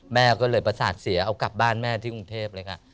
แม่ก็เลยประสาทเสียเอากลับบ้านแม่ที่กรุงเทพเลยค่ะ